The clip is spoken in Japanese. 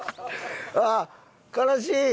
あっ悲しい。